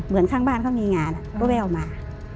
เหมือนข้างบ้านเขามีงานอะก็แววมา